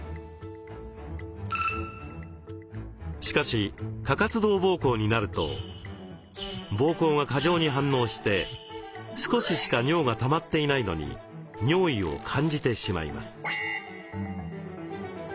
しかし過活動膀胱になると膀胱が過剰に反応して少ししか尿がたまっていないのに尿意を感じてしまいます。